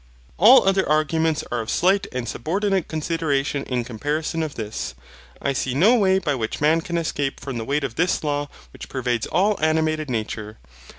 All other arguments are of slight and subordinate consideration in comparison of this. I see no way by which man can escape from the weight of this law which pervades all animated nature.